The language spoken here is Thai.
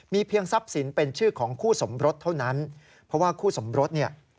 เพียงทรัพย์สินเป็นชื่อของคู่สมรสเท่านั้นเพราะว่าคู่สมรสเนี่ย